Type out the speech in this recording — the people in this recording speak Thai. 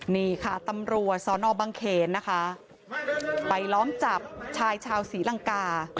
นี่ค่ะตำรวจสอนอบังเขนนะคะไปล้อมจับชายชาวศรีลังกา